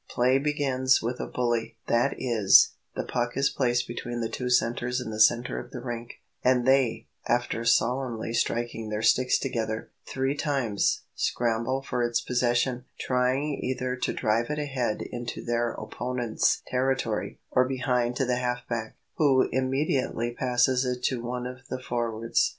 Play begins with a bully—that is, the puck is placed between the two centres in the centre of the rink, and they, after solemnly striking their sticks together, three times, scramble for its possession, trying either to drive it ahead into their opponents' territory, or behind to the half back, who immediately passes it to one of the forwards.